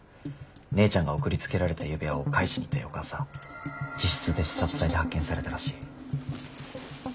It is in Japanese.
姉ちゃんが送りつけられた指輪を返しに行った翌朝自室で刺殺体で発見されたらしい。